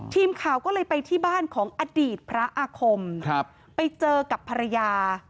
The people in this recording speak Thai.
ทีมข่าวก็เลยไปที่บ้านของอดีตพระอาคมไปเจอกับภรรยา